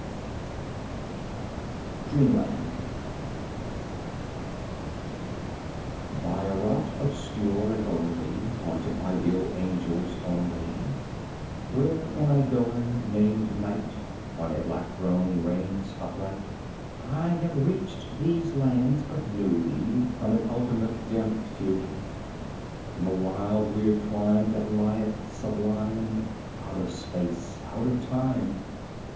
40 DREAM LAND By a route obscure and lonely, Haunted by ill angels only, Where an Eidolon, named Night, On a black throne reigns upright, I have reached these lands but newly 5 From an ultimate dim Thule: From a wild weird clime that lieth, sublime, Out of Space out of Time.